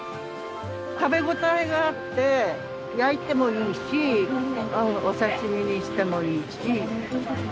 食べ応えがあって焼いてもいいしお刺し身にしてもいいし。